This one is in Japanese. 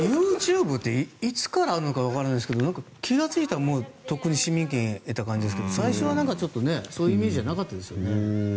ＹｏｕＴｕｂｅっていつからかわからないですけど気がついたらとっくに市民権を得た感じですが最初はそういうイメージじゃなかったですよね。